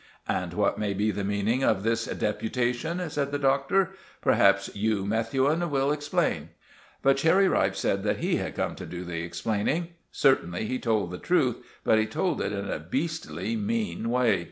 "And what may be the meaning of this deputation?" said the Doctor. "Perhaps you, Methuen, will explain." But Cherry Ripe said that he had come to do the explaining. Certainly he told the truth, but he told it in a beastly mean way.